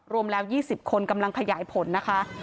รวมแล้ว๒๐คนกำลังขยายผลนะคะ